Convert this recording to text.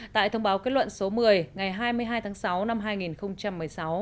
tại thông báo kết luận số một mươi ngày hai mươi hai tháng sáu năm hai nghìn một mươi sáu